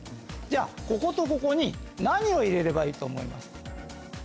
じゃあこことここに何を入れればいいと思います？